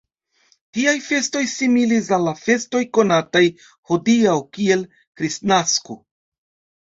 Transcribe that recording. Tiaj festoj similis al la festoj konataj hodiaŭ kiel Kristnasko.